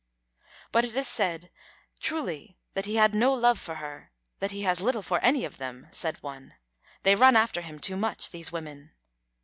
"But it is said truly that he had no love for her that he has little for any of them," said one. "They run after him too much, these women."